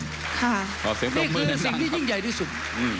นี่คือสิ่งที่ยิ่งใหญ่ที่สุด